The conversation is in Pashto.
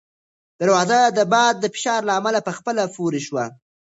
دروازه د باد د فشار له امله په خپله پورې شوه.